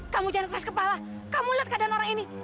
kamu jangan keras kepala kamu lihat keadaan orang ini